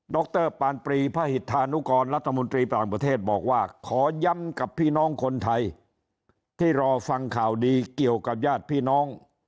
รปานปรีพระหิตธานุกรรัฐมนตรีต่างประเทศบอกว่าขอย้ำกับพี่น้องคนไทยที่รอฟังข่าวดีเกี่ยวกับญาติพี่น้อง